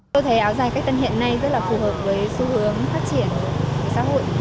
tôi thấy áo dài cách tân hiện nay rất là phù hợp với xu hướng phát triển của xã hội